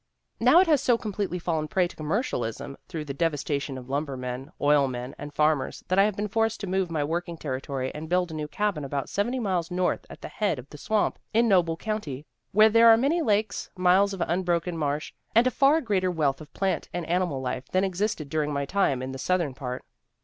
Now it has so completely fallen prey to commercial ism through the devastation of lumbermen, oilmen, and farmers, that I have been forced to move my working territory and build a new cabin about sev enty miles north at the head of the swamp in Noble county, where there are many lakes, miles of un broken marsh, and a far greater wealth of plant and animal life than existed during my time in the south ern part.